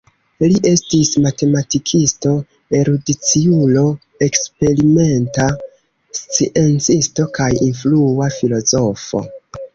Li estis matematikisto, erudiciulo, eksperimenta sciencisto kaj influa filozofo.